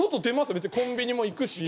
別にコンビニも行くし。